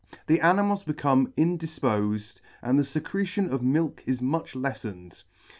The animals become indifpofed, and the fecretion of milk is much leffened.